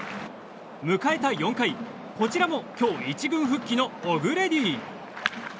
迎えた４回こちらも今日１軍復帰のオグレディ。